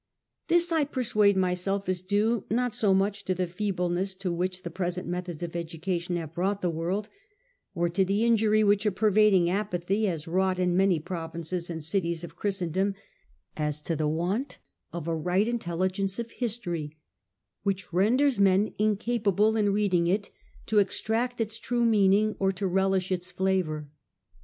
This I persuade myself is due, not so much to the feebleness to which the present methods of education have brought the world, or to the injury which a pervading apathy has wrought in many provinces and cities of Christendom, as to the want of a right intelligence of History, which renders men incapable in reading it to extract its true meaning or to relish its flavour.